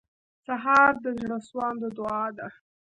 سهار د زړسواندو دعا ده.